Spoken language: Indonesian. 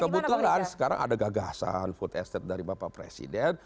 kebetulan sekarang ada gagasan food estate dari bapak presiden